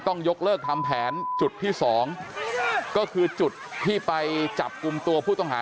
ต้องยกเลิกทำแผนจุดที่สองก็คือจุดที่ไปจับกลุ่มตัวผู้ต้องหา